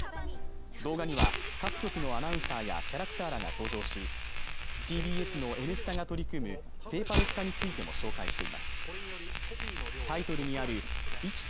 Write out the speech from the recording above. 動画には各局のアナウンサーやキャラクターが登場しＴＢＳの「Ｎスタ」が取り組むペーパーレス化についても紹介しています